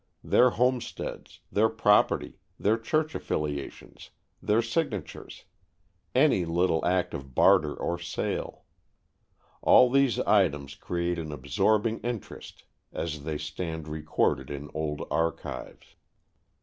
Their homesteads, their property, their church affiliations, their signatures, any little act of barter or sale, all these items create an absorbing interest as they stand recorded in old archives.